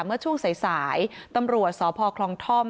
เมื่อช่วงสายตำรวจสพคลองท่อม